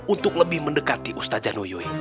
untuk lebih mendekati ustaz januyuy